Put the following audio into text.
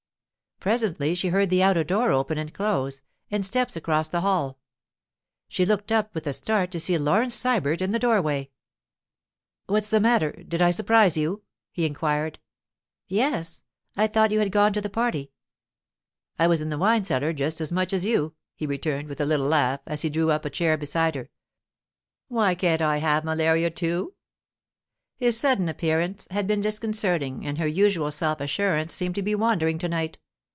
Presently she heard the outer door open and close, and steps cross the hall. She looked up with a start to see Laurence Sybert in the doorway. 'What's the matter—did I surprise you?' he inquired. 'Yes; I thought you had gone to the party.' 'I was in the wine cellar just as much as you,' he returned, with a little laugh, as he drew up a chair beside her. 'Why can't I have malaria too?' His sudden appearance had been disconcerting, and her usual self assurance seemed to be wandering to night.